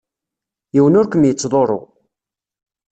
Yiwen ur kem-yettḍurru.